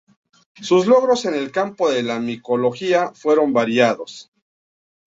Sus logros en el campo de la micología fueron variados.